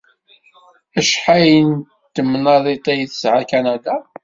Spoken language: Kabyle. Acḥal n temnaḍit ay tesɛa Kanada?